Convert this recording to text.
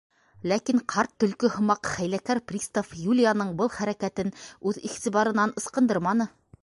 Ләкин ҡарт төлкө һымаҡ хәйләкәр пристав Юлияның был хәрәкәтен үҙ иғтибарынан ысҡындырманы.